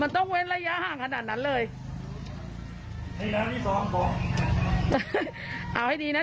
ต้องอย่างนี้นะคะ